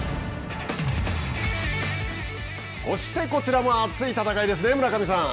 そして、こちらも熱い戦いですね村上さん。